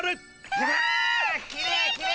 うわ！